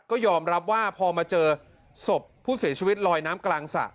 ก็ยอมรับว่าพอมาเจอศพผู้เสียชีวิตลอยน้ำกลางสระ